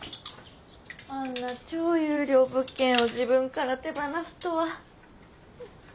あんな超優良物件を自分から手放すとは。